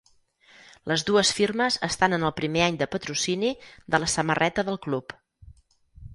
Les dues firmes estan en el primer any de patrocini de la samarreta del club.